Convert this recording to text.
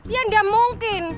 ya gak mungkin